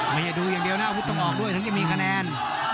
มันจะดูอย่างเดียวนะวู้ดต้องออกด้วยแทบจะมีคะแนน